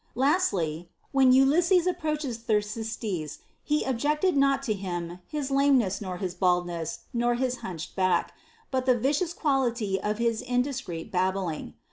* Lastly, when Ulysses reproacheth Thersites, he objecteth not to him his lameness nor his baldness nor his hunched back, but the vicious quality of indiscreet babbling.